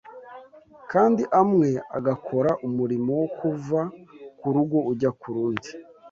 kandi amwe agakora umurimo wo kuva ku rugo ujya ku rundi